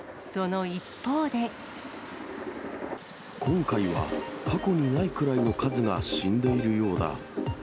今回は、過去にないくらいの数が死んでいるようだ。